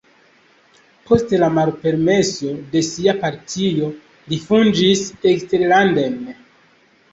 Post la malpermeso de sia partio li fuĝis eksterlanden.